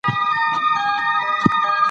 د مېلو پر وخت خلک دودیز کالي اغوندي.